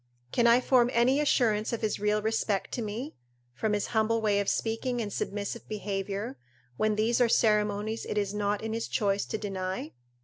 Can I form any assurance of his real respect to me, from his humble way of speaking and submissive behaviour, when these are ceremonies it is not in his choice to deny?